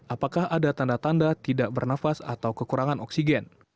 apakah ada tanda tanda tidak bernafas atau kekurangan oksigen